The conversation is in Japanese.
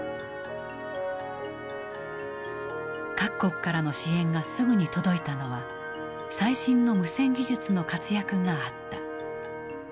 各国からの支援がすぐに届いたのは最新の無線技術の活躍があった。